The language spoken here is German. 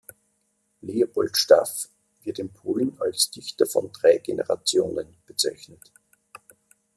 Leopold Staff wird in Polen als "Dichter von drei Generationen" bezeichnet.